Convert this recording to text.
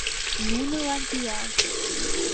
Нунылан пиал!